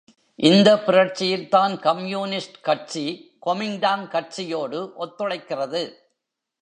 இந்த புரட்சியில்தான் கம்யூனிஸ்ட் கட்சி கொமிங்டாக் கட்சியோடு ஒத்துழைக்கிறது.